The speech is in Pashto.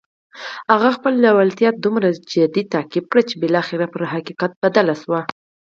هغه خپله لېوالتیا دومره جدي تعقيب کړه چې بالاخره پر حقيقت بدله شوه.